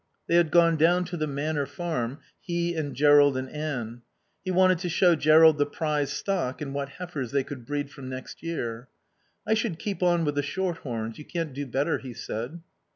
They had gone down to the Manor Farm, he and Jerrold and Anne. He wanted to show Jerrold the prize stock and what heifers they could breed from next year. "I should keep on with the short horns. You can't do better," he said.